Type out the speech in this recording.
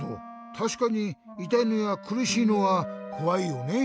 たしかにいたいのやくるしいのはこわいよね。